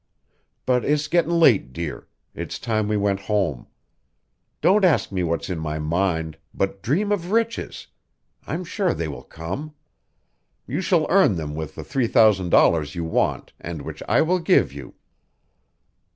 But it's getting late, dear. It's time we went home. Don't ask me what's in my mind, but dream of riches. I'm sure they will come. You shall earn them with the three thousand dollars you want and which I will give you."